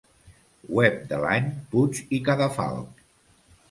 Web de l'Any Puig i Cadafalch.